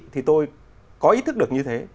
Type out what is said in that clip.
thì tôi có ý thức được như thế